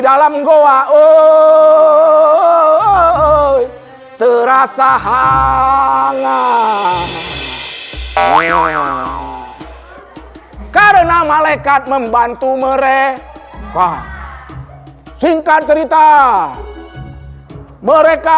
dalam goa oh terasa hangat ayo karena malaikat membantu mereka singkat cerita mereka